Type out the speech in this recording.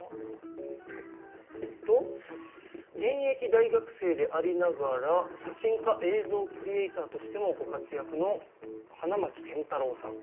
えっと現役大学生でありながら写真家映像クリエイターとしてもご活躍の花巻健太郎さん。